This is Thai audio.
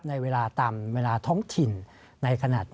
ในเวลาต่ำเวลาท้องถิ่น